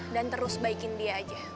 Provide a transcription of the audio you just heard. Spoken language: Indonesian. dan terus baikin dia aja